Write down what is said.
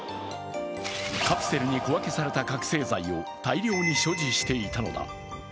カプセルに小分けされた覚醒剤を大量に所持していたのだ。